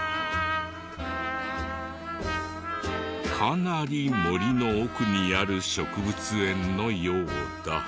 かなり森の奥にある植物園のようだ。